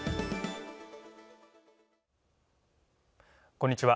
こんにちは。